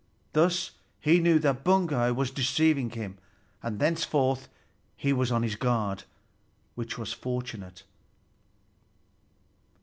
Thus he knew that Baugi was deceiving him, and thenceforth he was on his guard, which was fortunate.